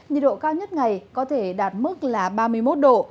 nhiệt độ cao nhất ngày có thể đạt mức là ba mươi một độ